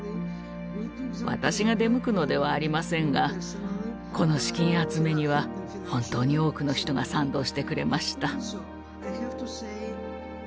私が出向くのではありませんがこの資金集めには本当に多くの人が賛同してくれました。